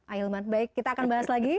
ahilman baik kita akan bahas lagi